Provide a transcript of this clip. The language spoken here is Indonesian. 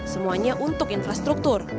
semuanya untuk infrastruktur